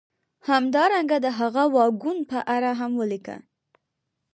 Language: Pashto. همدارنګه د هغه واګون په اړه هم ولیکه